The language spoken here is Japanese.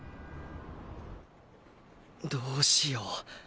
どうしよう